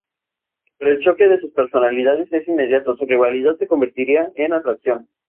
Pero el choque de sus personalidades es inmediato, su rivalidad se convertirá en atracción.